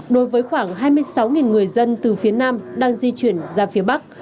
đối với khoảng hai mươi sáu người dân từ phía nam đang di chuyển ra phía bắc